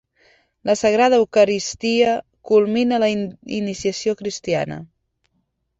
La Sagrada Eucaristia culmina la iniciació cristiana.